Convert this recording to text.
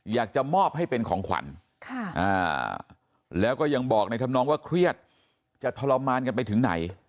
อยากจะมอบให้เป็นของขวัญแล้วก็ยังบอกในธรรมนองว่าเครียดจะทรมานกันไปถึงไหน